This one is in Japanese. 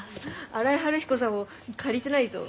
荒井晴彦さんを借りてないぞ。